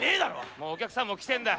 もうお客さんも来てんだ。